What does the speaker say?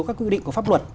các quy định của pháp luật